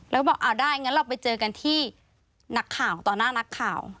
แล้วก็บอกเอาได้งั้นเราไปเจอกันที่นักข่าวต่อหน้านักข่าว